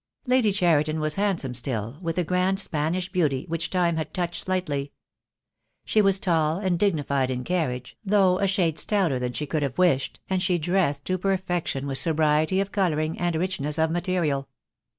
Lady Cheriton was handsome still, with a grand Spanish beauty which time had touched lightly. She was tall and dignified in carriage, though a shade stouter than she could have wished, and she dressed to perfection with sobriety of colouring and richness of material.